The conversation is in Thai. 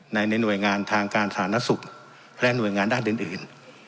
ในหน่วยงานทางการสาธารณสุขและหน่วยงานด้านอื่น